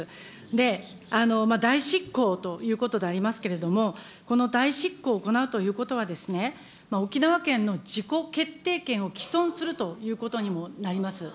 で、代執行ということでありますけれども、この代執行を行うということはですね、沖縄県の自己決定権を毀損するということにもなります。